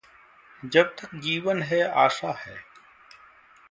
जब तक जीवन है, आशा है।